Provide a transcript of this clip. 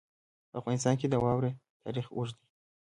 په افغانستان کې د واوره تاریخ اوږد دی.